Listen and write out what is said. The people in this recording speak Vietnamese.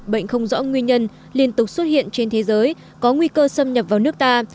bệnh không rõ nguyên nhân liên tục xuất hiện trên thế giới có nguy cơ xâm nhập vào nước ta